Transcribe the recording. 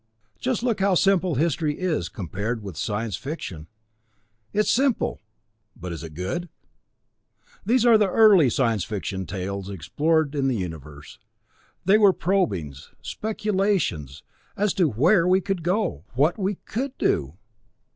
Just look how simple history is compared with science fiction! It's simple but is it good? These early science fiction tales explored the Universe; they were probings, speculations, as to where we could go. What we could do.